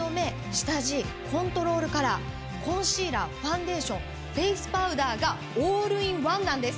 下地コントロールカラーコンシーラーファンデーションフェイスパウダーがオールインワンなんです。